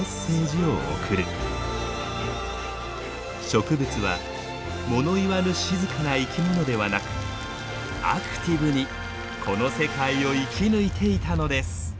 植物は物言わぬ静かな生き物ではなくアクティブにこの世界を生き抜いていたのです。